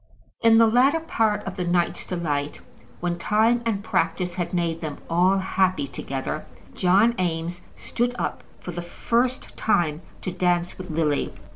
In the latter part of the night's delight, when time and practice had made them all happy together, John Eames stood up for the first time to dance with Lily.